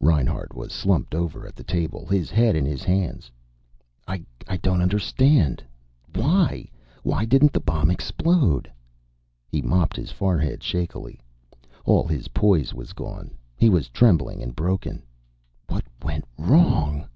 Reinhart was slumped over at the table, his head in his hands. "I don't understand.... Why? Why didn't the bomb explode?" He mopped his forehead shakily. All his poise was gone. He was trembling and broken. "_What went wrong?